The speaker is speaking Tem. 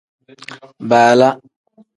Baala.